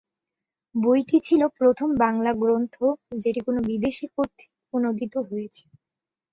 বইটি ছিল প্রথম বাংলা গ্রন্থ যেটি কোনো বিদেশি কর্তৃক অনূদিত হয়েছে।